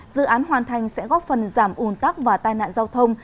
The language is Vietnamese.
dự án hoàn thành sẽ góp phần giảm ủn tắc và tai nạn giao thông